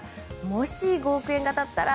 もし５億円が当たったら？